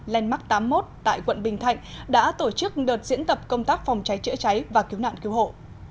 landmark tám mươi một tại quận bình thạnh đã tổ chức đợt diễn tập công tác phòng cháy chữa cháy và cứu nạn cứu hộ